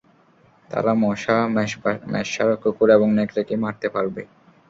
তারা মশা, মেষশাবক, কুকুর এবং নেকড়েকে মারতে পারবে।